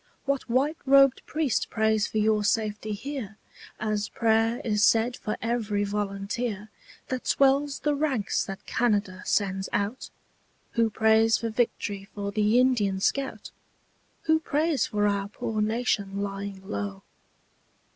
What white robed priest prays for your safety here, As prayer is said for every volunteer That swells the ranks that Canada sends out? Who prays for vict'ry for the Indian scout? Who prays for our poor nation lying low?